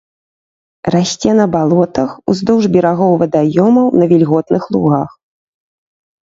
Расце на балотах, уздоўж берагоў вадаёмаў, на вільготных лугах.